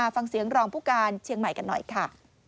ฟังเสียงรองผู้การเชียงใหม่กันหน่อยค่ะ